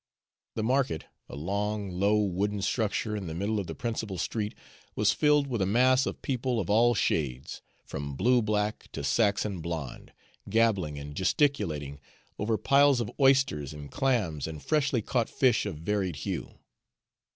The market, a long, low, wooden structure, in the middle of the principal street, was filled with a mass of people of all shades, from blue black to Saxon blonde, gabbling and gesticulating over piles of oysters and clams and freshly caught fish of varied hue.